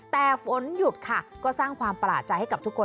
แต่ฝนหยุดค่ะก็สร้างความประหลาดใจให้กับทุกคน